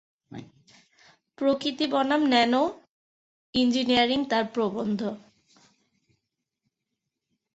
প্রকৃতি বনাম ন্যানোইঞ্জিনিয়ারিং তাঁর প্রবন্ধ।